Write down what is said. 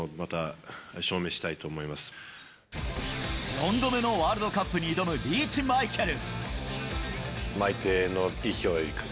４度目のワールドカップに挑む、リーチ・マイケル。